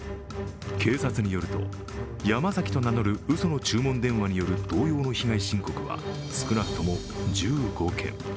警察によると、ヤマザキと名乗るうその注文電話による同様の被害申告は少なくとも１５件。